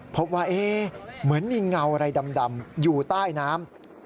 พบว่าเหมือนมีเงาอะไรดำอยู่ใต้น้ำ